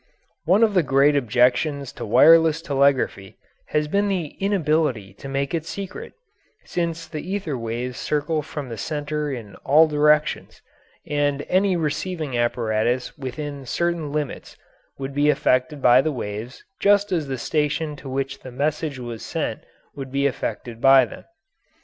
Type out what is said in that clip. One of the great objections to wireless telegraphy has been the inability to make it secret, since the ether waves circle from the centre in all directions, and any receiving apparatus within certain limits would be affected by the waves just as the station to which the message was sent would be affected by them.